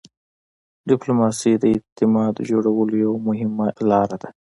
ډيپلوماسي د اعتماد جوړولو یوه مهمه لار ده.